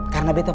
dia bag calm